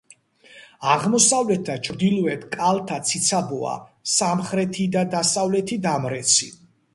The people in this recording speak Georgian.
აღმოსავლეთ და ჩრდილოეთ კალთა ციცაბოა, სამხრეთი და დასავლეთი დამრეცი.